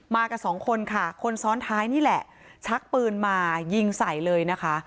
กับสองคนค่ะคนซ้อนท้ายนี่แหละชักปืนมายิงใส่เลยนะคะ